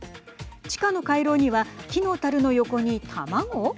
地下の回廊には木のたるの横に卵。